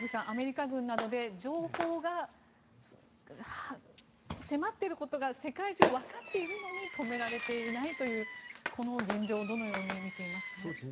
アメリカ軍などで情報が迫っていることが世界中、分かっているのに止められていないという現状をどのように見ていますか？